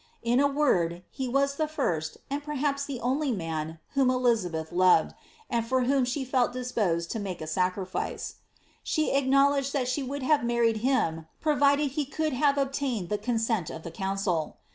In a word, he was the first, and perhaps the only, man whom Elizabeth loved, and for whom she felt disposed to fflake a sacrifice. She acknowledged that she would have married him provided he could have obtained the consent of the council.